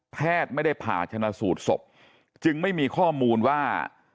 แพทย์ไม่ได้ผ่าชนะสูตรศพจึงไม่มีข้อมูลว่า